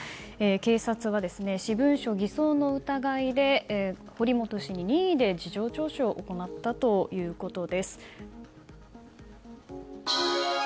警察は、私文書偽造の疑いで堀本氏に任意で事情聴取を行ったということです。